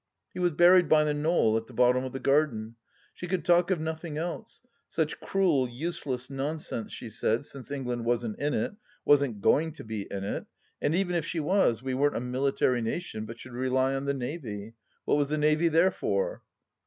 He was buried by the knoll at the bottom of the garden. She could talk of nothing else. Such cruel, useless nonsense, she said, since England wasn't in it, wasn't going to be in it ; and even if she was, we weren't a military nation, but should rely on the Navy. What was the Navy there for